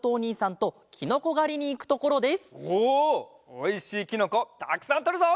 おいしいきのこたくさんとるぞ！